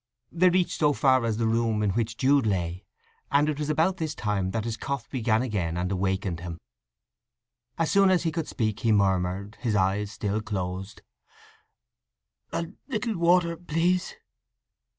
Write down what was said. They reached so far as to the room in which Jude lay; and it was about this time that his cough began again and awakened him. As soon as he could speak he murmured, his eyes still closed: "A little water, please."